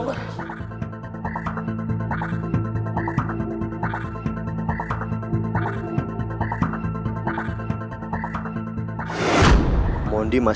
coba ke ruang tingkat ini